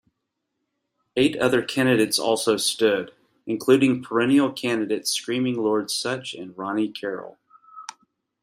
Eight other candidates also stood, including perennial candidates Screaming Lord Sutch and Ronnie Carroll.